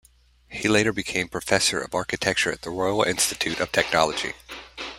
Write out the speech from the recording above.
He later became professor of architecture at the Royal Institute of Technology.